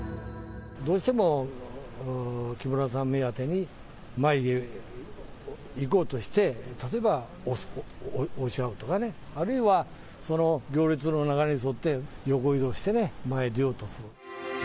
どうしても木村さん目当てに前へ行こうとして、例えば押し合うとかね、あるいは、その行列の流れに沿って横移動してね、前に出ようとする。